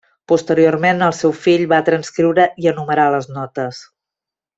Posteriorment el seu fill va transcriure i enumerar les notes.